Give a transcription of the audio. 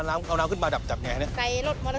เวลาเอาน้ำขึ้นมาดับจับอย่างไร